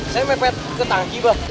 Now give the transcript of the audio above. saya mepet ke tangki pak